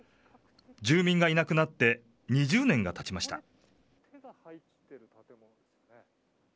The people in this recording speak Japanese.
住民がいなくなって２０年がたちました。